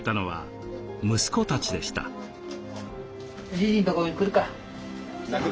じいじのところに来るか？